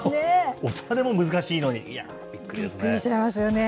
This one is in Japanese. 大人でも難しいのに、いや、びっびっくりしますよね。